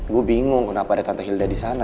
gue bingung kenapa ada tante hilda disana